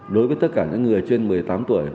đối với tất cả những người trên một mươi tám tuổi